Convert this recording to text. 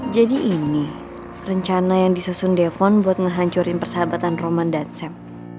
jadi ini rencana yang disusun devon buat ngehancurin persahabatan roman dan sam